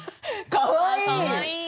かわいい。